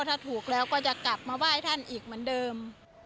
ถ้าถูกแล้วก็จะกลับมาไหว้ท่านอีกเหมือนเดิม